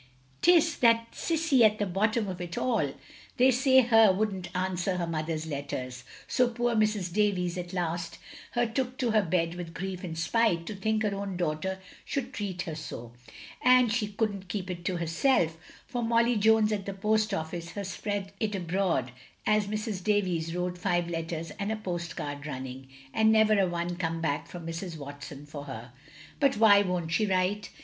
'T is that Cissie at the bottom of it all. They OF GROSVENOR SQUARE 145 say her wouldn't answer her mother's letters, so poor Mrs. Davies at last her took to her bed with grief and spite, to think her own daughter should treat her so. And she couldn't keep it to herself, for Molly Jones at the Post office her spread it abroad as Mrs. Davies wrote five letters and a post card running, and never a one come back from Mrs. Watson for her. " "But why won't she write?"